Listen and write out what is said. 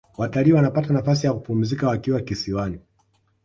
watalii wanapata nafasi ya kupumzika wakiwa kisiwani